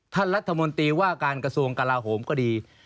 ท่านรัฐมนตรีว่าการกระทรวงกลาโหมก็ดี